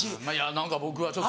何か僕はちょっと。